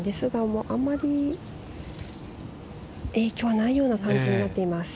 あまり影響ないような感じになっています。